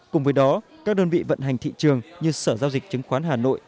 cùng với đó các đơn vị vận hành thị trường như sở giao dịch chứng khoán hà nội